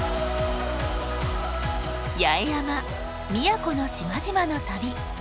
八重山・宮古の島々の旅。